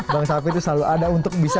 bang safir itu selalu ada untuk bisa